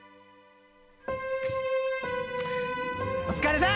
お疲れさん！